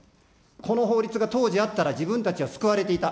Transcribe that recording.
この法律が当時あったら自分たちは救われていた。